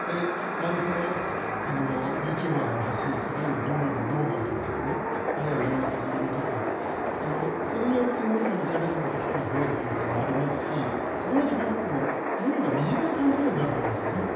ああいうユーチューバーの発信する農業のノウハウとかですね、あるいは、いろんな試みとか、それによって農業にチャレンジする人が増えるということもありますし、そこまでいかなくても、農業が身近に感じるようになると思うんですよね。